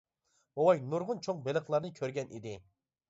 بوۋاي نۇرغۇن چوڭ بېلىقلارنى كۆرگەن ئىدى.